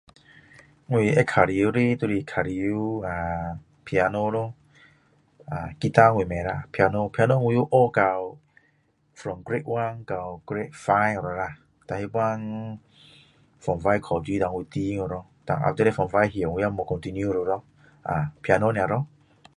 我会玩的就是玩 piano 咯 guitar 我不会啦 piano 我有学到 grade 1到 grade 5了然后那个时候 form 5考书的时候我断去 after form 5我也没有 continue 了 piano 而已